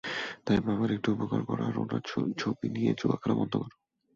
তাই বাবার একটা উপকার করো আর ওনার জীবন নিয়ে জুয়া খেলা বন্ধ করো।